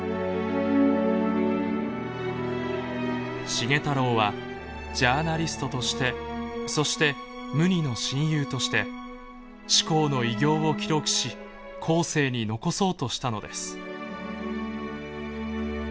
繁太郎はジャーナリストとしてそして無二の親友として志功の偉業を記録し後世に残そうとしたのです。